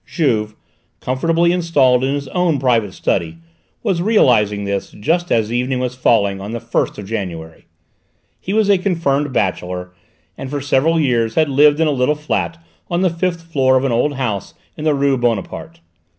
Juve, comfortably installed in his own private study, was realising this just as evening was falling on this first of January. He was a confirmed bachelor, and for several years had lived in a little flat on the fifth floor of an old house in the rue Bonaparte.